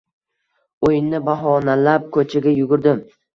O`yinni bahonalab ko`chaga yugurdim